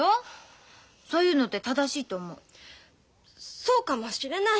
そうかもしれない。